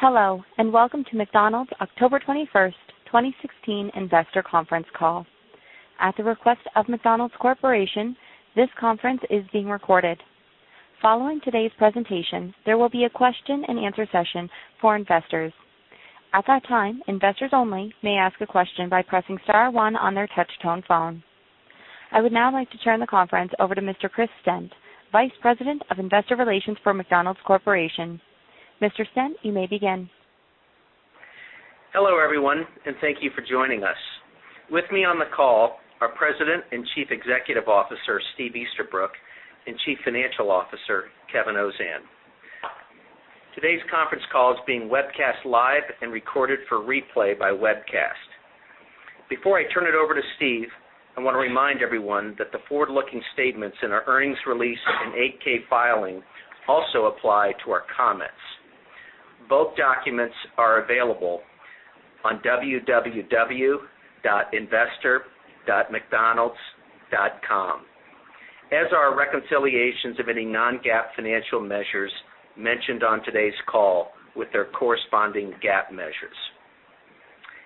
Hello, welcome to McDonald's October 21st, 2016 investor conference call. At the request of McDonald's Corporation, this conference is being recorded. Following today's presentation, there will be a question and answer session for investors. At that time, investors only may ask a question by pressing star one on their touch-tone phone. I would now like to turn the conference over to Mr. Chris Stent, Vice President of Investor Relations for McDonald's Corporation. Mr. Stent, you may begin. Hello, everyone, thank you for joining us. With me on the call are President and Chief Executive Officer, Steve Easterbrook, and Chief Financial Officer, Kevin Ozan. Today's conference call is being webcast live and recorded for replay by webcast. Before I turn it over to Steve, I want to remind everyone that the forward-looking statements in our earnings release and 8-K filing also apply to our comments. Both documents are available on www.investor.mcdonalds.com, as are reconciliations of any non-GAAP financial measures mentioned on today's call with their corresponding GAAP measures.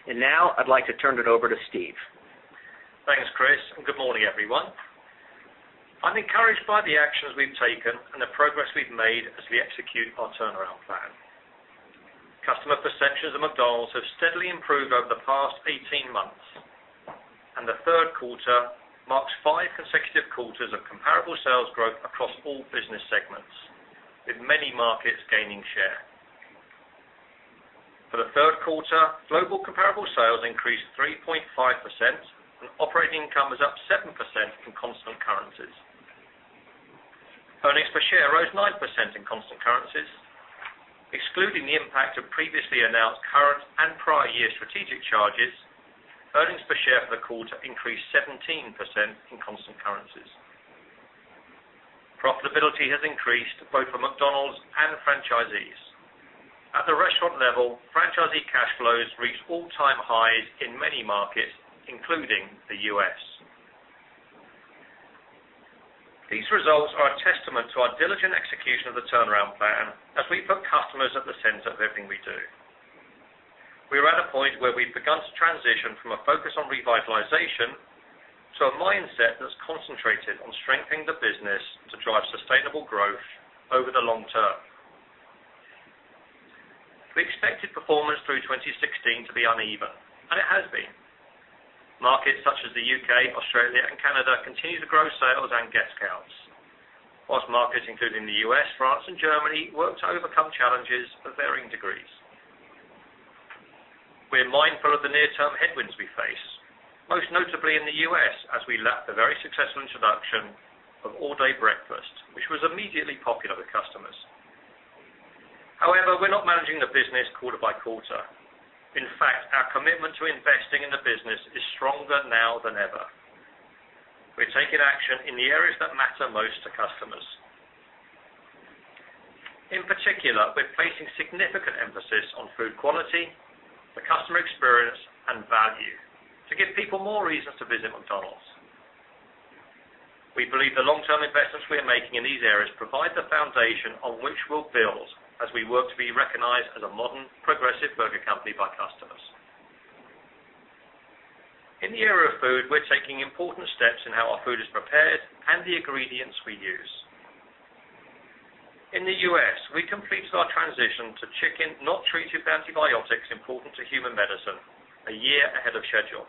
Now I'd like to turn it over to Steve. Thanks, Chris, good morning, everyone. I'm encouraged by the actions we've taken and the progress we've made as we execute our turnaround plan. Customer perceptions of McDonald's have steadily improved over the past 18 months, the third quarter marks five consecutive quarters of comparable sales growth across all business segments, with many markets gaining share. For the third quarter, global comparable sales increased 3.5%, operating income was up 7% in constant currencies. Earnings per share rose 9% in constant currencies. Excluding the impact of previously announced current and prior year strategic charges, earnings per share for the quarter increased 17% in constant currencies. Profitability has increased both for McDonald's and franchisees. At the restaurant level, franchisee cash flows reached all-time highs in many markets, including the U.S. These results are a testament to our diligent execution of the turnaround plan as we put customers at the center of everything we do. We are at a point where we've begun to transition from a focus on revitalization to a mindset that's concentrated on strengthening the business to drive sustainable growth over the long term. We expected performance through 2016 to be uneven, it has been. Markets such as the U.K., Australia, and Canada continue to grow sales and guest counts. Whilst markets, including the U.S., France, and Germany, worked to overcome challenges of varying degrees. We're mindful of the near-term headwinds we face, most notably in the U.S., as we lap the very successful introduction of All Day Breakfast, which was immediately popular with customers. However, we're not managing the business quarter by quarter. In fact, our commitment to investing in the business is stronger now than ever. We're taking action in the areas that matter most to customers. In particular, we're placing significant emphasis on food quality, the customer experience, and value to give people more reasons to visit McDonald's. We believe the long-term investments we are making in these areas provide the foundation on which we'll build as we work to be recognized as a modern, progressive burger company by customers. In the area of food, we're taking important steps in how our food is prepared and the ingredients we use. In the U.S., we completed our transition to chicken not treated with antibiotics important to human medicine a year ahead of schedule.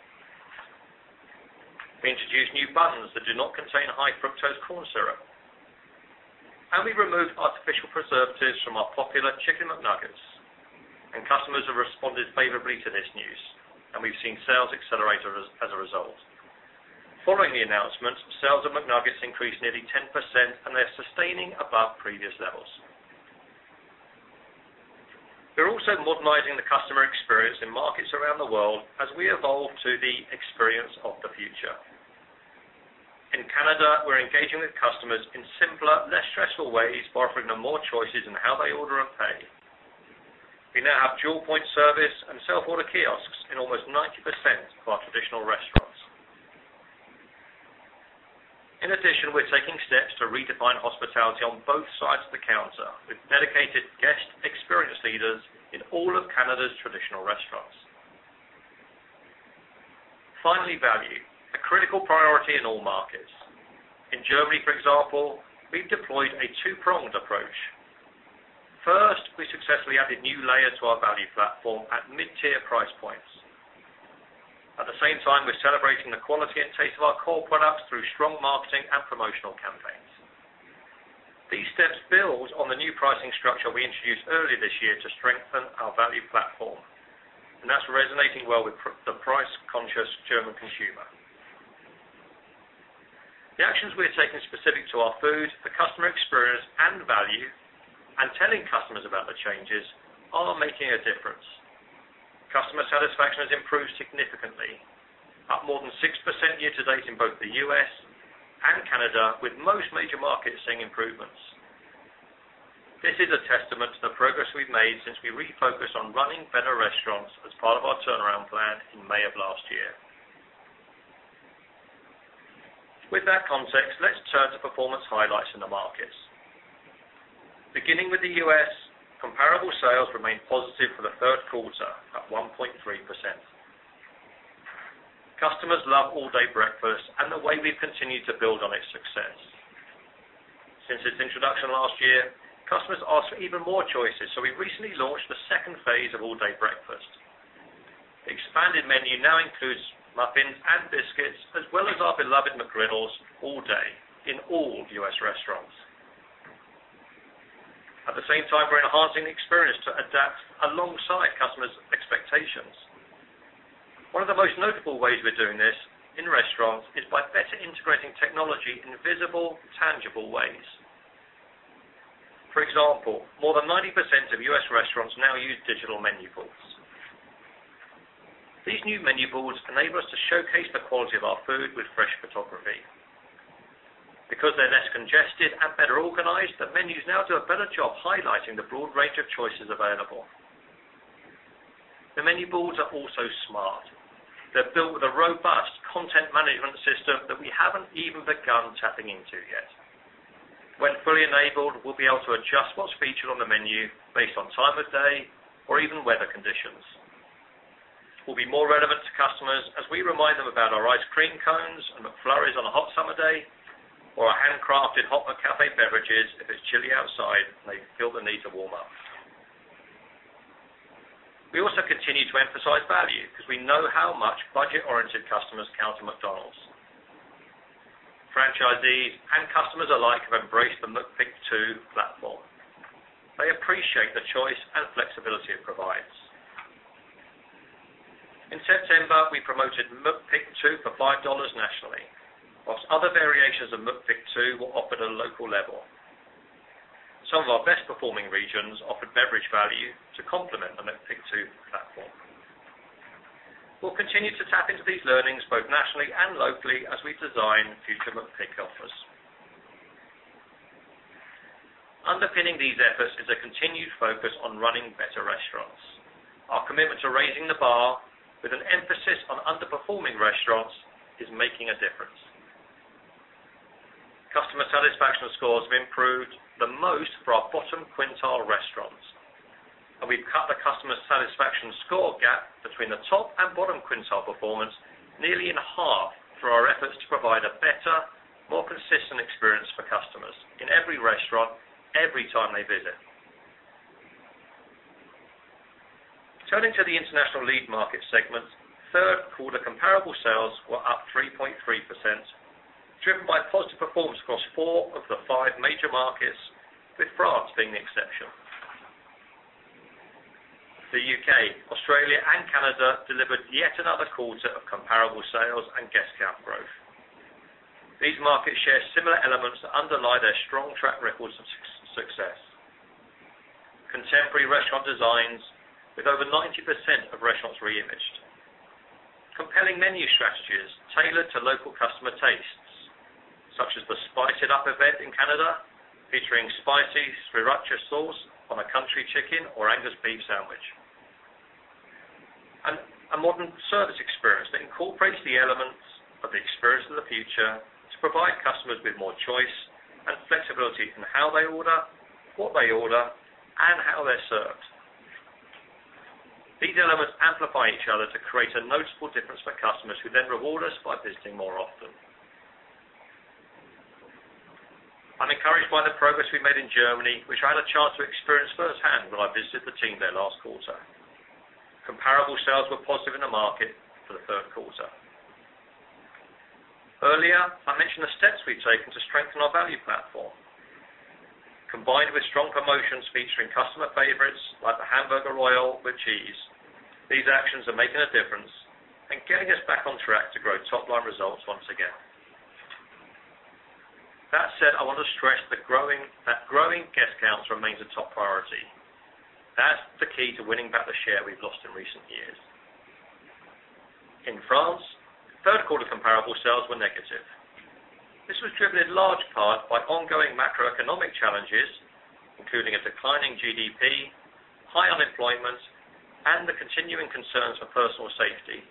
We introduced new buns that do not contain high-fructose corn syrup. We removed artificial preservatives from our popular Chicken McNuggets. Customers have responded favorably to this news. We've seen sales accelerate as a result. Following the announcement, sales of McNuggets increased nearly 10%. They're sustaining above previous levels. We're also modernizing the customer experience in markets around the world as we evolve to the Experience of the Future. In Canada, we're engaging with customers in simpler, less stressful ways by offering them more choices in how they order and pay. We now have dual-point service and self-order kiosks in almost 90% of our traditional restaurants. In addition, we're taking steps to redefine hospitality on both sides of the counter with dedicated guest experience leaders in all of Canada's traditional restaurants. Finally, value, a critical priority in all markets. In Germany, for example, we've deployed a two-pronged approach. First, we successfully added a new layer to our value platform at mid-tier price points. At the same time, we're celebrating the quality and taste of our core products through strong marketing and promotional campaigns. These steps build on the new pricing structure we introduced earlier this year to strengthen our value platform. That's resonating well with the price-conscious German consumer. The actions we are taking specific to our food, the customer experience, and value, telling customers about the changes, are making a difference. Customer satisfaction has improved significantly, up more than 6% year to date in both the U.S. and Canada, with most major markets seeing improvements. This is a testament to the progress we've made since we refocused on running better restaurants as part of our turnaround plan in May of last year. With that context, let's turn to performance highlights in the markets. Beginning with the U.S., comparable sales remained positive for the third quarter at 1.3%. Customers love All Day Breakfast and the way we've continued to build on its success. Since its introduction last year, customers asked for even more choices. We recently launched the second phase of All Day Breakfast. The expanded menu now includes muffins and biscuits, as well as our beloved McGriddles all day in all U.S. restaurants. At the same time, we're enhancing the experience to adapt alongside customers' expectations. One of the most notable ways we're doing this in restaurants is by better integrating technology in visible, tangible ways. For example, more than 90% of U.S. restaurants now use digital menu boards. These new menu boards enable us to showcase the quality of our food with fresh photography. Because they're less congested and better organized, the menus now do a better job highlighting the broad range of choices available. The menu boards are also smart. They're built with a robust content management system that we haven't even begun tapping into yet. When fully enabled, we'll be able to adjust what's featured on the menu based on time of day or even weather conditions. We'll be more relevant to customers as we remind them about our ice cream cones and McFlurries on a hot summer day, or our handcrafted hot McCafé beverages if it's chilly outside and they feel the need to warm up. We also continue to emphasize value because we know how much budget-oriented customers count on McDonald's. Franchisees and customers alike have embraced the McPick 2 platform. They appreciate the choice and flexibility it provides. In September, we promoted McPick 2 for $5 nationally, while other variations of McPick 2 were offered at a local level. Some of our best-performing regions offered beverage value to complement the McPick 2 platform. We'll continue to tap into these learnings, both nationally and locally, as we design future McPick offers. Underpinning these efforts is a continued focus on running better restaurants. Our commitment to raising the bar, with an emphasis on underperforming restaurants, is making a difference. Customer satisfaction scores have improved the most for our bottom quintile restaurants. We've cut the customer satisfaction score gap between the top and bottom quintile performance nearly in half through our efforts to provide a better, more consistent experience for customers in every restaurant, every time they visit. Turning to the International Lead Markets segment, third quarter comparable sales were up 3.3%, driven by positive performance across four of the five major markets, with France being the exception. The U.K., Australia, and Canada delivered yet another quarter of comparable sales and guest count growth. These markets share similar elements that underlie their strong track records of success. Contemporary restaurant designs with over 90% of restaurants re-imaged. Compelling menu strategies tailored to local customer tastes, such as the Spice It Up event in Canada, featuring spicy Sriracha sauce on a country chicken or Angus beef sandwich. A modern service experience that incorporates the elements of the Experience of the Future to provide customers with more choice and flexibility in how they order, what they order, and how they're served. These elements amplify each other to create a noticeable difference for customers who then reward us by visiting more often. I'm encouraged by the progress we made in Germany, which I had a chance to experience firsthand when I visited the team there last quarter. Comparable sales were positive in the market for the third quarter. Earlier, I mentioned the steps we've taken to strengthen our value platform. Combined with strong promotions featuring customer favorites like the Hamburger Royal with cheese, these actions are making a difference and getting us back on track to grow top-line results once again. That said, I want to stress that growing guest counts remains a top priority. That's the key to winning back the share we've lost in recent years. In France, third quarter comparable sales were negative. This was driven in large part by ongoing macroeconomic challenges, including a declining GDP, high unemployment, and the continuing concerns for personal safety,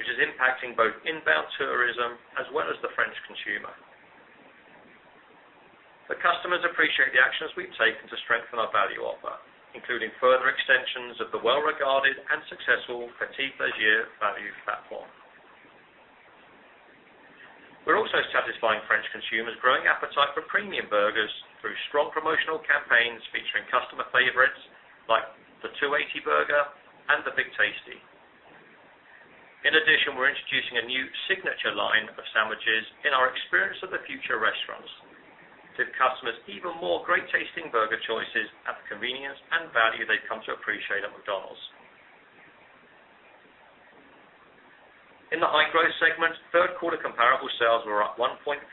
which is impacting both inbound tourism as well as the French consumer. The customers appreciate the actions we've taken to strengthen our value offer, including further extensions of the well-regarded and successful P'tit Plaisir value platform. We're also satisfying French consumers' growing appetite for premium burgers through strong promotional campaigns featuring customer favorites like the 280 Burger and the Big Tasty. In addition, we're introducing a new signature line of sandwiches in our Experience of the Future restaurants to give customers even more great-tasting burger choices at the convenience and value they've come to appreciate at McDonald's. In the High Growth segment, third quarter comparable sales were up 1.5%,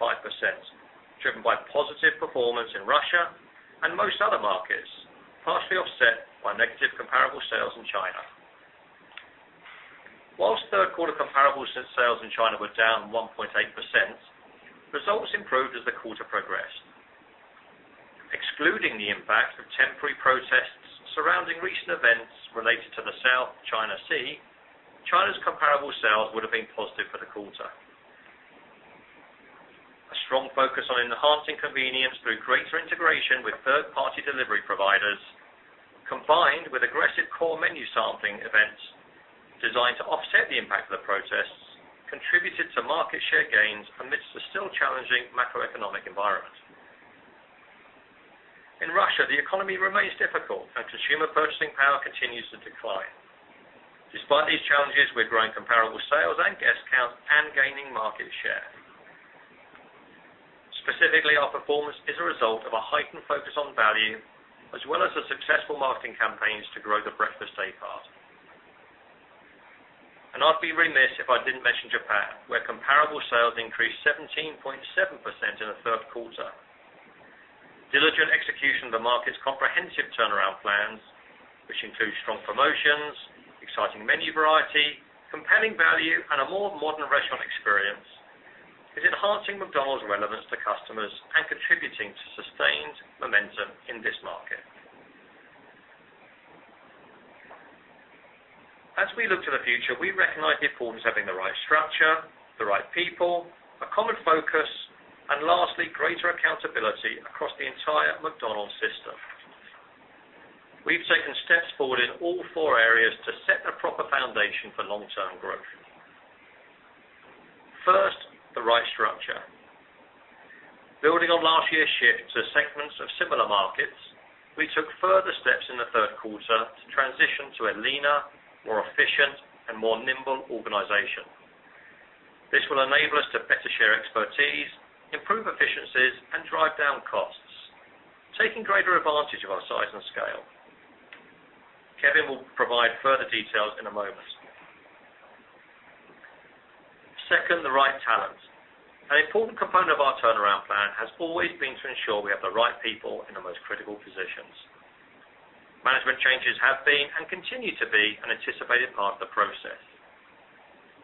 driven by positive performance in Russia and most other markets, partially offset by negative comparable sales in China. Whilst third quarter comparable sales in China were down 1.8%. Excluding the impact of temporary protests surrounding recent events related to the South China Sea, China's comparable sales would've been positive for the quarter. A strong focus on enhancing convenience through greater integration with third-party delivery providers, combined with aggressive core menu sampling events designed to offset the impact of the protests, contributed to market share gains amidst a still challenging macroeconomic environment. In Russia, the economy remains difficult and consumer purchasing power continues to decline. Despite these challenges, we're growing comparable sales and guest count, and gaining market share. Specifically, our performance is a result of a heightened focus on value, as well as the successful marketing campaigns to grow the breakfast day part. I'd be remiss if I didn't mention Japan, where comparable sales increased 17.7% in the third quarter. Diligent execution of the market's comprehensive turnaround plans, which includes strong promotions, exciting menu variety, compelling value, and a more modern restaurant experience, is enhancing McDonald's relevance to customers and contributing to sustained momentum in this market. As we look to the future, we recognize the importance of having the right structure, the right people, a common focus, and lastly, greater accountability across the entire McDonald's system. We've taken steps forward in all four areas to set the proper foundation for long-term growth. First, the right structure. Building on last year's shift to segments of similar markets, we took further steps in the third quarter to transition to a leaner, more efficient, and more nimble organization. This will enable us to better share expertise, improve efficiencies, and drive down costs, taking greater advantage of our size and scale. Kevin will provide further details in a moment. Second, the right talent. An important component of our turnaround plan has always been to ensure we have the right people in the most critical positions. Management changes have been, and continue to be, an anticipated part of the process.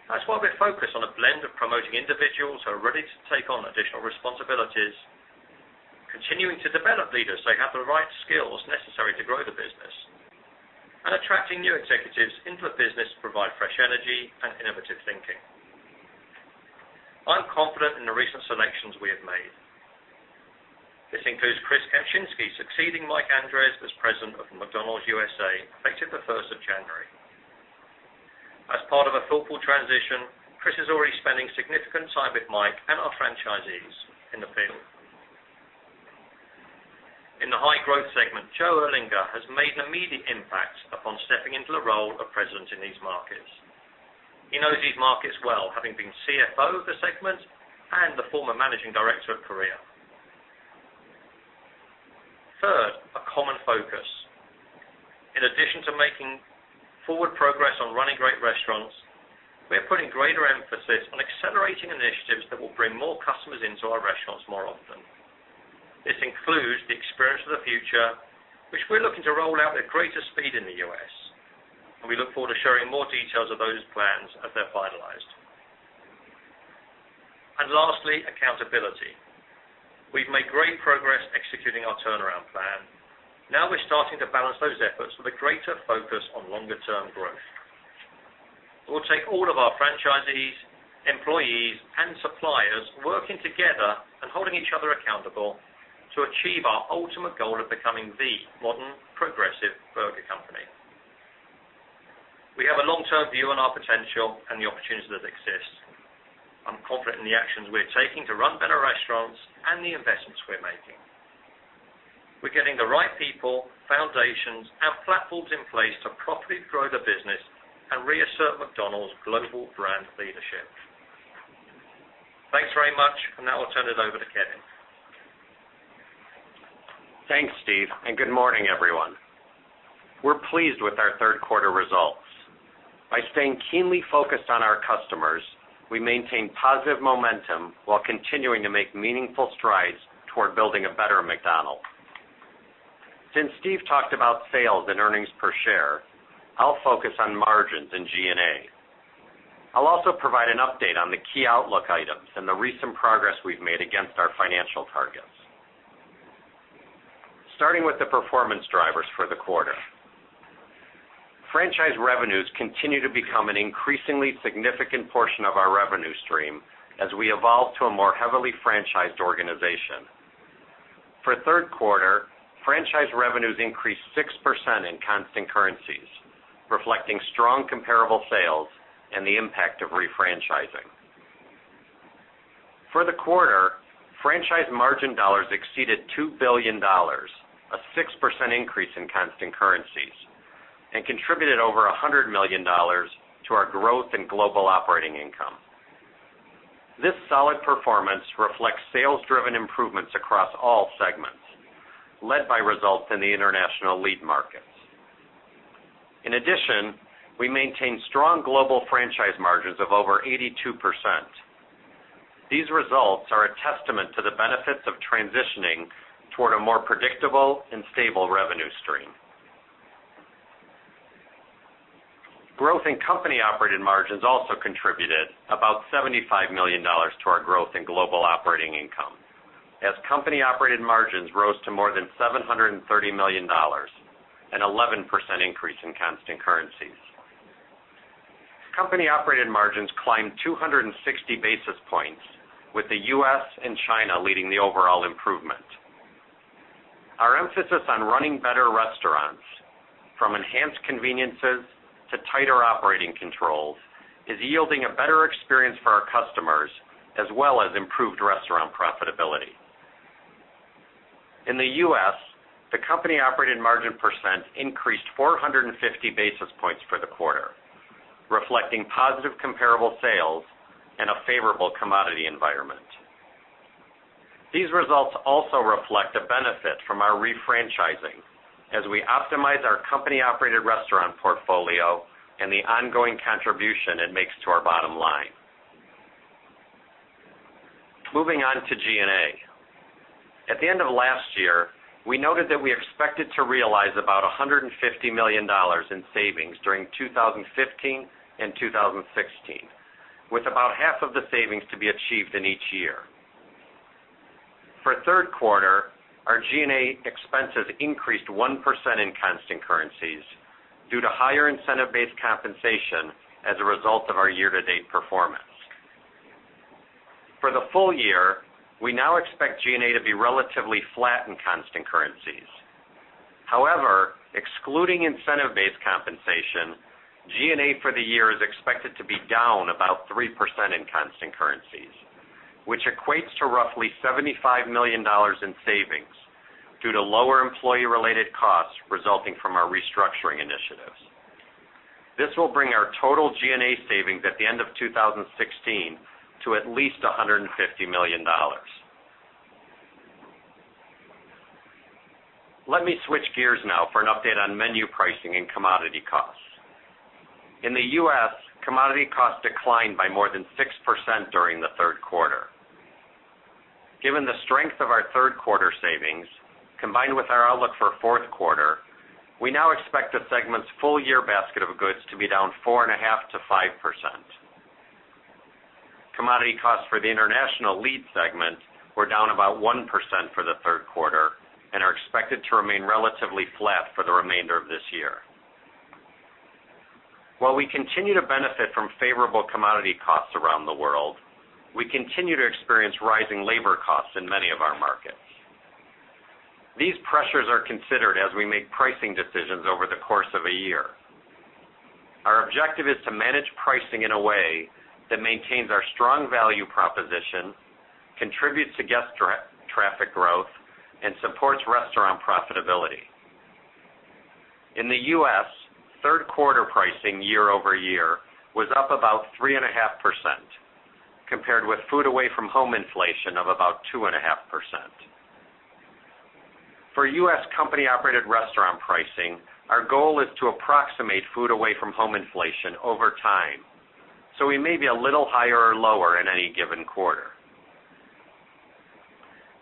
That's why we're focused on a blend of promoting individuals who are ready to take on additional responsibilities, continuing to develop leaders so they have the right skills necessary to grow the business, and attracting new executives into the business to provide fresh energy and innovative thinking. I'm confident in the recent selections we have made. This includes Chris Kempczinski succeeding Mike Andres as President of McDonald's USA, effective the 1st of January. As part of a thoughtful transition, Chris is already spending significant time with Mike and our franchisees in the field. In the High Growth segment, Joe Erlinger has made an immediate impact upon stepping into the role of President in these markets. He knows these markets well, having been CFO of the segment and the former managing director of Korea. Third, a common focus. In addition to making forward progress on running great restaurants, we are putting greater emphasis on accelerating initiatives that will bring more customers into our restaurants more often. This includes the Experience of the Future, which we're looking to roll out at greater speed in the U.S., and we look forward to sharing more details of those plans as they're finalized. Lastly, accountability. We've made great progress executing our turnaround plan. Now, we're starting to balance those efforts with a greater focus on longer-term growth. It will take all of our franchisees, employees, and suppliers working together and holding each other accountable to achieve our ultimate goal of becoming the modern progressive burger company. We have a long-term view on our potential and the opportunities that exist. I'm confident in the actions we are taking to run better restaurants and the investments we're making. We're getting the right people, foundations, and platforms in place to properly grow the business and reassert McDonald's global brand leadership. Thanks very much, and now I'll turn it over to Kevin. Thanks, Steve, and good morning, everyone. We're pleased with our third-quarter results. By staying keenly focused on our customers, we maintain positive momentum while continuing to make meaningful strides toward building a better McDonald's. Since Steve talked about sales and earnings per share, I'll focus on margins and G&A. I'll also provide an update on the key outlook items and the recent progress we've made against our financial targets. Starting with the performance drivers for the quarter. Franchise revenues continue to become an increasingly significant portion of our revenue stream as we evolve to a more heavily franchised organization. For third quarter, franchise revenues increased 6% in constant currencies, reflecting strong comparable sales and the impact of refranchising. For the quarter, franchise margin dollars exceeded $2 billion, a 6% increase in constant currencies, and contributed over $100 million to our growth in global operating income. This solid performance reflects sales-driven improvements across all segments, led by results in the International Lead Markets. In addition, we maintained strong global franchise margins of over 82%. These results are a testament to the benefits of transitioning toward a more predictable and stable revenue stream. Growth in company-operated margins also contributed about $75 million to our growth in global operating income, as company-operated margins rose to more than $730 million, an 11% increase in constant currencies. Company-operated margins climbed 260 basis points, with the U.S. and China leading the overall improvement. Our emphasis on running better restaurants, from enhanced conveniences to tighter operating controls, is yielding a better experience for our customers, as well as improved restaurant profitability. In the U.S., the company-operated margin percent increased 450 basis points for the quarter, reflecting positive comparable sales and a favorable commodity environment. These results also reflect a benefit from our refranchising as we optimize our company-operated restaurant portfolio and the ongoing contribution it makes to our bottom line. Moving on to G&A. At the end of last year, we noted that we expected to realize about $150 million in savings during 2015 and 2016, with about half of the savings to be achieved in each year. For third quarter, our G&A expenses increased 1% in constant currencies due to higher incentive-based compensation as a result of our year-to-date performance. For the full year, we now expect G&A to be relatively flat in constant currencies. However, excluding incentive-based compensation, G&A for the year is expected to be down about 3% in constant currencies, which equates to roughly $75 million in savings due to lower employee-related costs resulting from our restructuring initiatives. This will bring our total G&A savings at the end of 2016 to at least $150 million. Let me switch gears now for an update on menu pricing and commodity costs. In the U.S., commodity costs declined by more than 6% during the third quarter. Given the strength of our third quarter savings, combined with our outlook for fourth quarter, we now expect the segment's full-year basket of goods to be down 4.5%-5%. Commodity costs for the International Lead segment were down about 1% for the third quarter and are expected to remain relatively flat for the remainder of this year. While we continue to benefit from favorable commodity costs around the world, we continue to experience rising labor costs in many of our markets. These pressures are considered as we make pricing decisions over the course of a year. Our objective is to manage pricing in a way that maintains our strong value proposition, contributes to guest traffic growth, and supports restaurant profitability. In the U.S., third quarter pricing year-over-year was up about 3.5%, compared with food away from home inflation of about 2.5%. For U.S. company-operated restaurant pricing, our goal is to approximate food away from home inflation over time, so we may be a little higher or lower in any given quarter.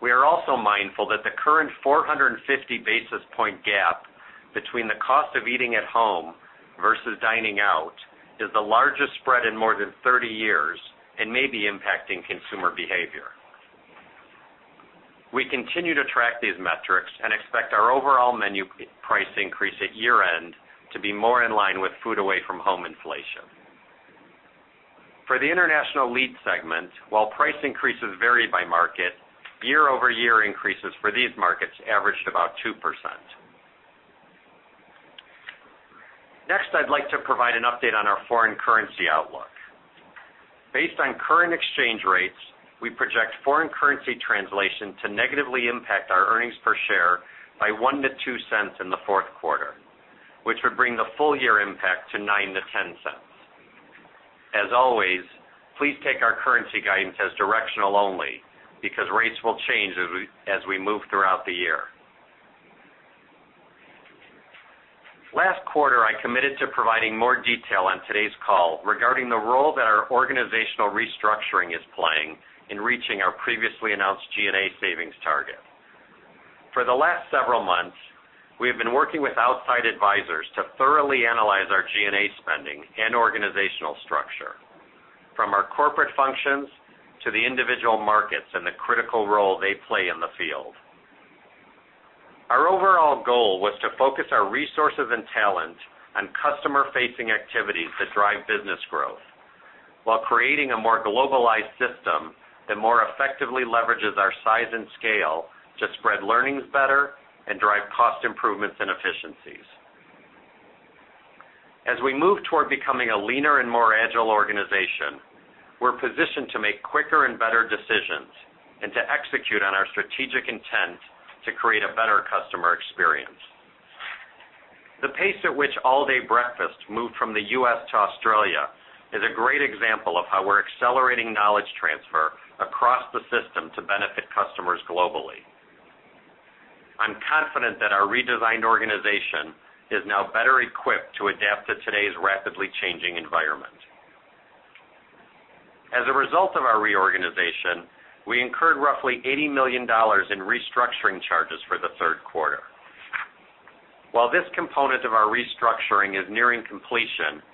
We are also mindful that the current 450 basis point gap between the cost of eating at home versus dining out is the largest spread in more than 30 years and may be impacting consumer behavior. We continue to track these metrics and expect our overall menu price increase at year-end to be more in line with food away from home inflation. For the International Lead segment, while price increases vary by market, year-over-year increases for these markets averaged about 2%. Next, I'd like to provide an update on our foreign currency outlook. Based on current exchange rates, we project foreign currency translation to negatively impact our earnings per share by $0.01-$0.02 in the fourth quarter, which would bring the full year impact to $0.09-$0.10. As always, please take our currency guidance as directional only, because rates will change as we move throughout the year. Last quarter, I committed to providing more detail on today's call regarding the role that our organizational restructuring is playing in reaching our previously announced G&A savings target. For the last several months, we have been working with outside advisors to thoroughly analyze our G&A spending and organizational structure, from our corporate functions to the individual markets and the critical role they play in the field. Our overall goal was to focus our resources and talent on customer-facing activities that drive business growth while creating a more globalized system that more effectively leverages our size and scale to spread learnings better and drive cost improvements and efficiencies. As we move toward becoming a leaner and more agile organization, we're positioned to make quicker and better decisions and to execute on our strategic intent to create a better customer experience. The pace at which All Day Breakfast moved from the U.S. to Australia is a great example of how we're accelerating knowledge transfer across the system to benefit customers globally. I'm confident that our redesigned organization is now better equipped to adapt to today's rapidly changing environment. As a result of our reorganization, we incurred roughly $80 million in restructuring charges for the third quarter. While this component of our restructuring is nearing completion,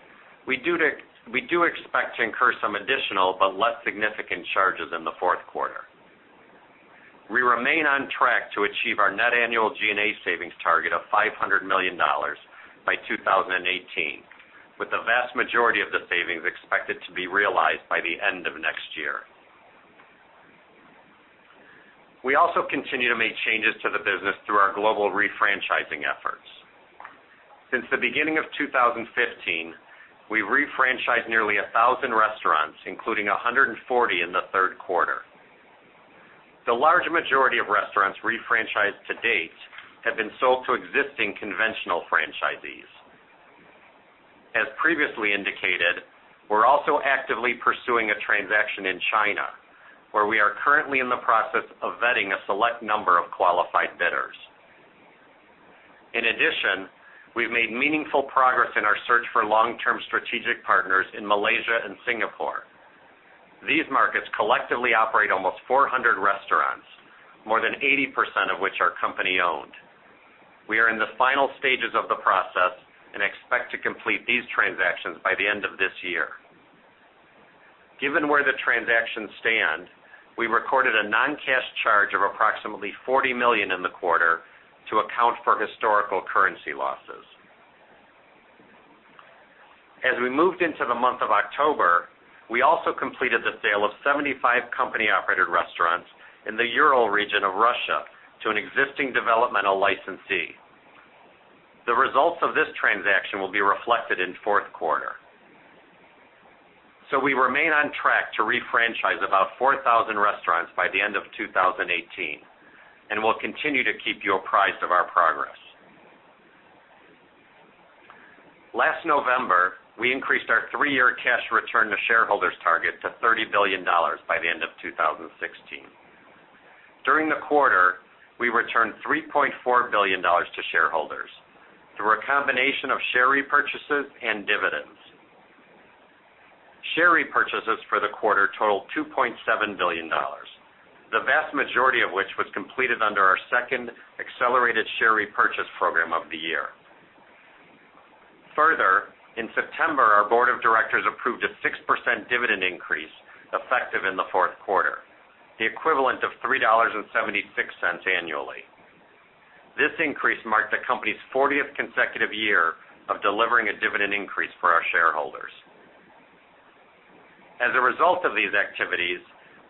we do expect to incur some additional but less significant charges in the fourth quarter. We remain on track to achieve our net annual G&A savings target of $500 million by 2018, with the vast majority of the savings expected to be realized by the end of next year. We also continue to make changes to the business through our global refranchising efforts. Since the beginning of 2015, we've refranchised nearly 1,000 restaurants, including 140 in the third quarter. The large majority of restaurants refranchised to date have been sold to existing conventional franchisees. As previously indicated, we're also actively pursuing a transaction in China, where we are currently in the process of vetting a select number of qualified bidders. In addition, we've made meaningful progress in our search for long-term strategic partners in Malaysia and Singapore. These markets collectively operate almost 400 restaurants, more than 80% of which are company-owned. We are in the final stages of the process and expect to complete these transactions by the end of this year. Given where the transactions stand, we recorded a non-cash charge of approximately $40 million in the quarter to account for historical currency losses. As we moved into the month of October, we also completed the sale of 75 company-operated restaurants in the Ural region of Russia to an existing developmental licensee. The results of this transaction will be reflected in fourth quarter. We remain on track to refranchise about 4,000 restaurants by the end of 2018, and we'll continue to keep you apprised of our progress. Last November, we increased our three-year cash return to shareholders target to $30 billion by the end of 2016. During the quarter, we returned $3.4 billion to shareholders through a combination of share repurchases and dividends. Share repurchases for the quarter totaled $2.7 billion, the vast majority of which was completed under our second accelerated share repurchase program of the year. Further, in September, our board of directors approved a 6% dividend increase effective in the fourth quarter, the equivalent of $3.76 annually. This increase marked the company's 40th consecutive year of delivering a dividend increase for our shareholders. As a result of these activities,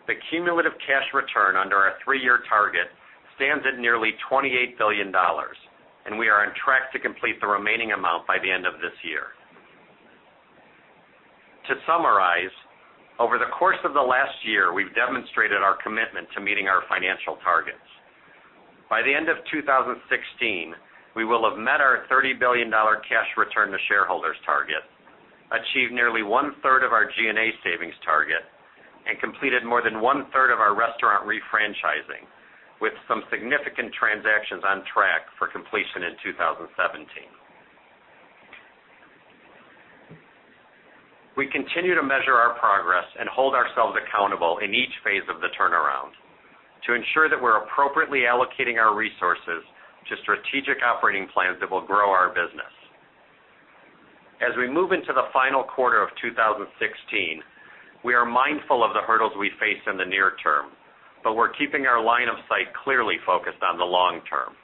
the cumulative cash return under our three-year target stands at nearly $28 billion, and we are on track to complete the remaining amount by the end of this year. To summarize, over the course of the last year, we've demonstrated our commitment to meeting our financial targets. By the end of 2016, we will have met our $30 billion cash return to shareholders target, achieved nearly one-third of our G&A savings target, and completed more than one-third of our restaurant refranchising, with some significant transactions on track for completion in 2017. We continue to measure our progress and hold ourselves accountable in each phase of the turnaround to ensure that we're appropriately allocating our resources to strategic operating plans that will grow our business. As we move into the final quarter of 2016, we are mindful of the hurdles we face in the near term, but we're keeping our line of sight clearly focused on the long term.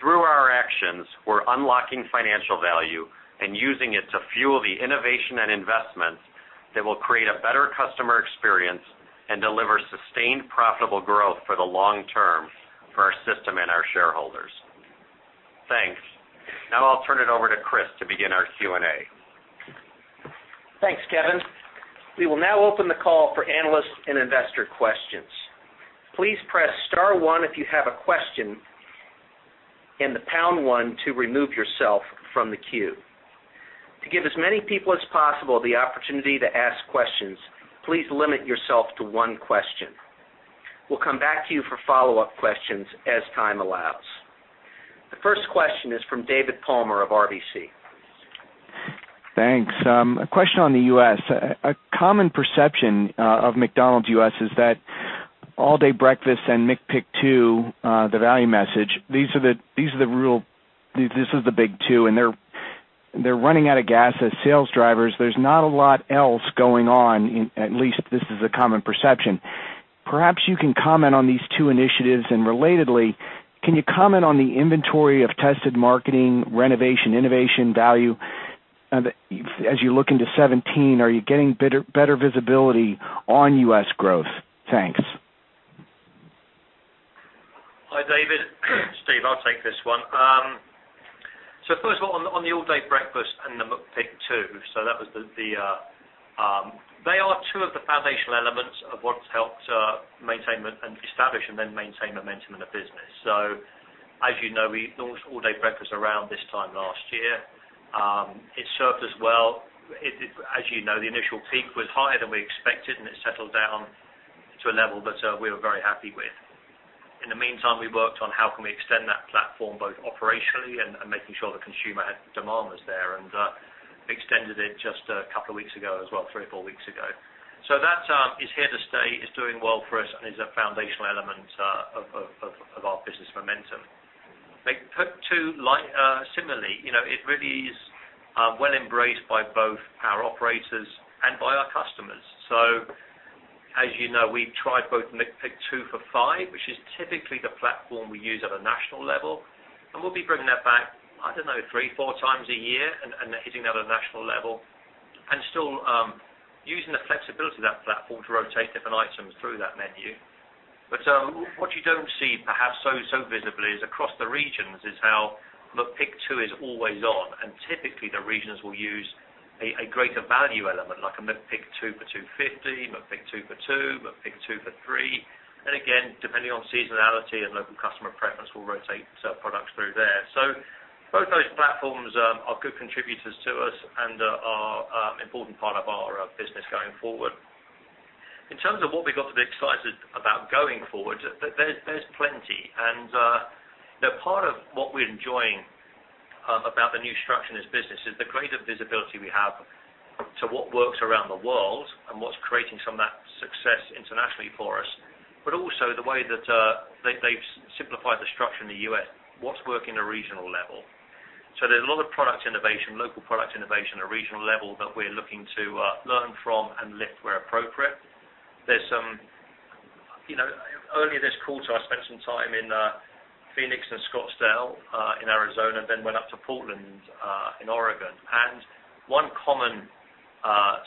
Through our actions, we're unlocking financial value and using it to fuel the innovation and investments that will create a better customer experience and deliver sustained profitable growth for the long term for our system and our shareholders. Thanks. Now I'll turn it over to Chris to begin our Q&A. Thanks, Kevin. We will now open the call for analysts and investor questions. Please press *1 if you have a question, and #1 to remove yourself from the queue. To give as many people as possible the opportunity to ask questions, please limit yourself to one question. We'll come back to you for follow-up questions as time allows. The first question is from David Palmer of RBC. Thanks. A question on the U.S. A common perception of McDonald's U.S. is that All Day Breakfast and McPick 2, the value message, this is the big two, and they're running out of gas as sales drivers. There's not a lot else going on, at least this is a common perception. Perhaps you can comment on these two initiatives, and relatedly, can you comment on the inventory of tested marketing, renovation, innovation, value? As you look into 2017, are you getting better visibility on U.S. growth? Thanks. Hi, David. Steve, I'll take this one. First of all, on the All Day Breakfast and the McPick 2, they are two of the foundational elements of what's helped establish and then maintain momentum in the business. As you know, we launched All Day Breakfast around this time last year. It served us well. As you know, the initial peak was higher than we expected, and it settled down to a level that we were very happy with. In the meantime, we worked on how can we extend that platform both operationally and making sure the consumer demand was there, and extended it just a couple of weeks ago as well, three or four weeks ago. That is here to stay, is doing well for us, and is a foundational element of our business momentum. McPick 2, similarly, it really is well embraced by both our operators and by our customers. As you know, we've tried both McPick 2 for $5, which is typically the platform we use at a national level, and we'll be bringing that back, I don't know, three, four times a year and hitting that at a national level and still using the flexibility of that platform to rotate different items through that menu. What you don't see, perhaps so visibly, is across the regions is how McPick 2 is always on. Typically, the regions will use a greater value element, like a McPick 2 for $2.50, McPick 2 for $2, McPick 2 for $3. Again, depending on seasonality and local customer preference, we'll rotate products through there. Both those platforms are good contributors to us and are an important part of our business going forward. In terms of what we've got to be excited about going forward, there's plenty. Part of what we're enjoying about the new structure in this business is the greater visibility we have to what works around the world and what's creating some of that success internationally for us, but also the way that they've simplified the structure in the U.S., what's working at a regional level. There's a lot of product innovation, local product innovation at a regional level that we're looking to learn from and lift where appropriate. Earlier this quarter, I spent some time in Phoenix and Scottsdale in Arizona, then went up to Portland in Oregon, and one common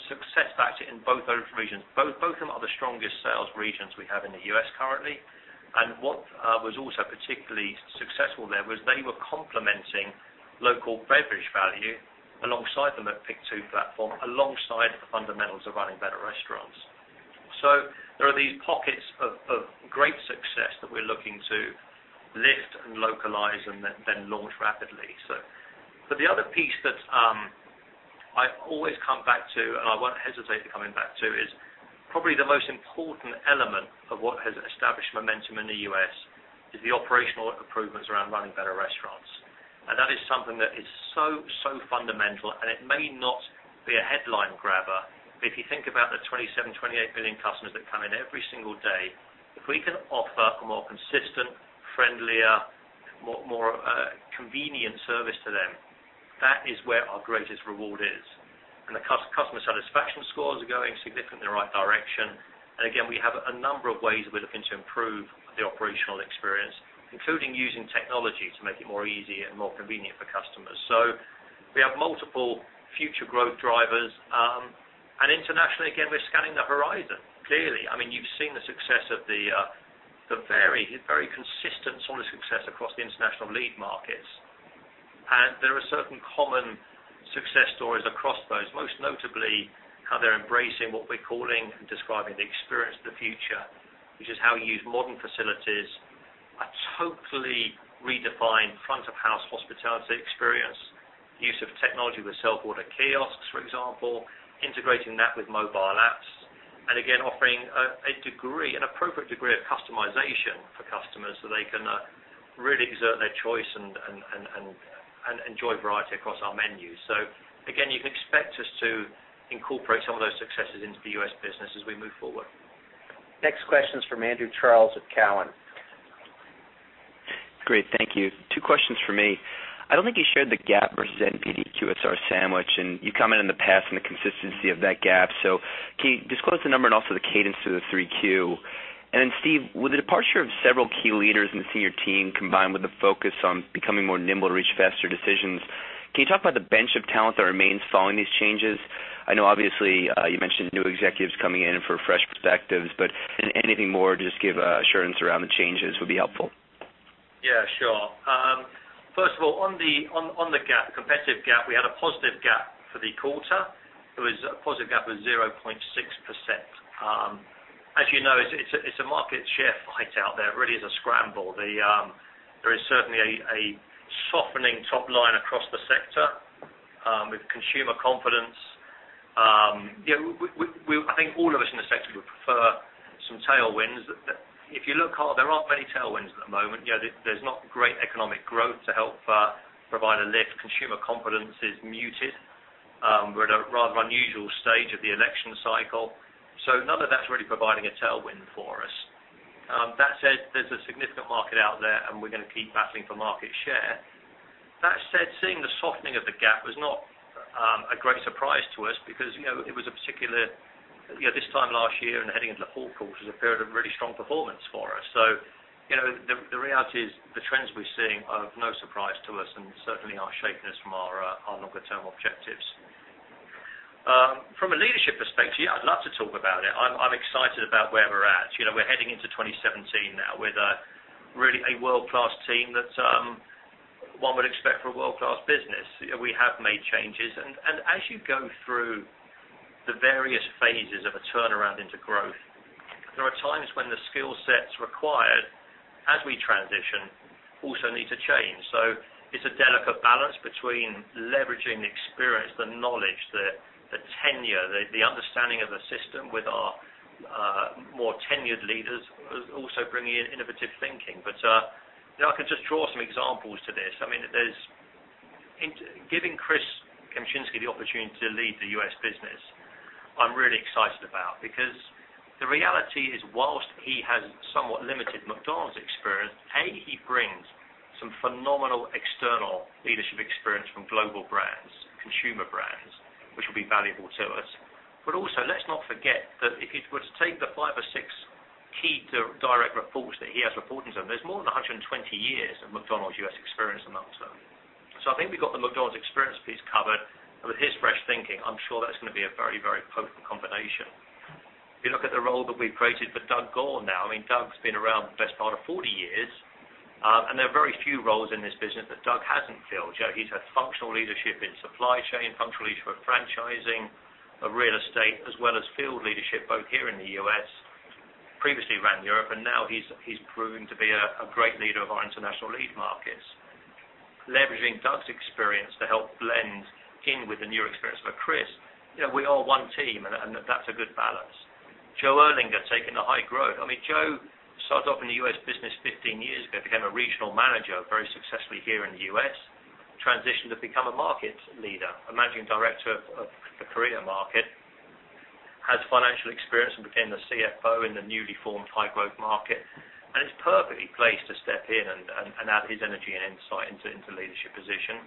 success factor in both those regions, both of them are the strongest sales regions we have in the U.S. currently, and what was also particularly successful there was they were complementing local beverage value alongside the McPick 2 platform, alongside the fundamentals of running better restaurants. There are these pockets of great success that we're looking to lift and localize and then launch rapidly. The other piece that I always come back to, and I won't hesitate to coming back to, is probably the most important element of what has established momentum in the U.S. is the operational improvements around running better restaurants. That is something that is so fundamental, and it may not be a headline grabber, but if you think about the 27, 28 million customers that come in every single day, if we can offer a more consistent, friendlier, more convenient service to them, that is where our greatest reward is. The customer satisfaction scores are going significantly in the right direction. Again, we have a number of ways that we're looking to improve the operational experience, including using technology to make it more easy and more convenient for customers. We have multiple future growth drivers. Internationally, again, we're scanning the horizon, clearly. You've seen the success of the very consistent, solid success across the International Lead Markets. There are certain common success stories across those, most notably how they're embracing what we're calling and describing the Experience of the Future, which is how we use modern facilities, a totally redefined front-of-house hospitality experience, use of technology with self-order kiosks, for example, integrating that with mobile apps, again, offering an appropriate degree of customization for customers so they can really exert their choice and enjoy variety across our menu. Again, you can expect us to incorporate some of those successes into the U.S. business as we move forward. Next question's from Andrew Charles at Cowen. Great. Thank you. Two questions from me. I don't think you shared the gap versus NPD QSR sandwich, and you commented in the past on the consistency of that gap. Can you disclose the number and also the cadence through the 3Q? Then Steve, with the departure of several key leaders in the senior team, combined with the focus on becoming more nimble to reach faster decisions, can you talk about the bench of talent that remains following these changes? I know obviously, you mentioned new executives coming in for fresh perspectives, but anything more, just give assurance around the changes would be helpful. Yeah, sure. First of all, on the competitive gap, we had a positive gap for the quarter. It was a positive gap of 0.6%. As you know, it's a market share fight out there. It really is a scramble. There is certainly a softening top line across the sector with consumer confidence. I think all of us in the sector would prefer some tailwinds. If you look, there aren't many tailwinds at the moment. There's not great economic growth to help provide a lift. Consumer confidence is muted. We're at a rather unusual stage of the election cycle. None of that's really providing a tailwind for us. That said, there's a significant market out there, and we're going to keep battling for market share. That said, seeing the softening of the gap was not a great surprise to us because this time last year and heading into the fourth quarter is a period of really strong performance for us. The reality is the trends we're seeing are of no surprise to us and certainly aren't shaping us from our longer-term objectives. From a leadership perspective, yeah, I'd love to talk about it. I'm excited about where we're at. We're heading into 2017 now with really a world-class team that one would expect for a world-class business. We have made changes, and as you go through the various phases of a turnaround into growth, there are times when the skill sets required as we transition also need to change. It's a delicate balance between leveraging the experience, the knowledge that Tenure, the understanding of the system with our more tenured leaders also bringing in innovative thinking. I could just draw some examples to this. Giving Chris Kempczinski the opportunity to lead the U.S. business, I'm really excited about, because the reality is, whilst he has somewhat limited McDonald's experience, A, he brings some phenomenal external leadership experience from global brands, consumer brands, which will be valuable to us. Also, let's not forget that if you were to take the five or six key direct reports that he has reporting to him, there's more than 120 years of McDonald's U.S. experience amongst them. I think we got the McDonald's experience piece covered. With his fresh thinking, I'm sure that's going to be a very potent combination. If you look at the role that we've created for Doug Goare now. Doug's been around the best part of 40 years, and there are very few roles in this business that Doug hasn't filled. He's had functional leadership in supply chain, functional leadership for franchising, for real estate, as well as field leadership, both here in the U.S., previously ran Europe, and now he's proving to be a great leader of our International Lead Markets. Leveraging Doug's experience to help blend in with the new experience for Chris, we are one team, and that's a good balance. Joe Erlinger taking the High Growth. Joe started off in the U.S. business 15 years ago, became a regional manager very successfully here in the U.S., transitioned to become a market leader, a managing director of the Korea market, has financial experience and became the CFO in the newly formed High Growth Markets and is perfectly placed to step in and add his energy and insight into leadership position.